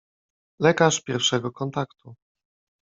Lekarz pierwszego kontaktu.